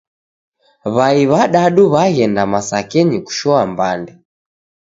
W'ai w'adadu w'aghenda masakenyi kushoa mbande.